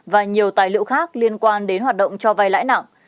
và nhiều tài liệu khác liên quan đến hoạt động cho vay lãi nặng